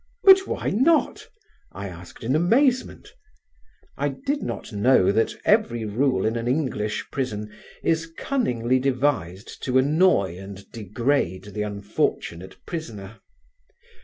"But why not?" I asked in amazement. I did not know that every rule in an English prison is cunningly devised to annoy and degrade the unfortunate prisoner.